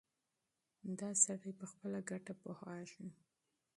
دا سړی په خپله ګټه پوهېږي.